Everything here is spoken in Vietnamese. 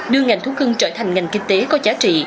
đưa ngành thú cưng trở thành ngành kinh tế có giá trị